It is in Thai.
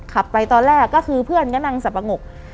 ขับไปตอนแรกก็คือเพื่อนก็นั่งสับปะงก